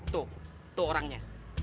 tuh tuh orangnya